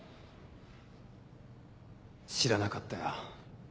知らなかったよ。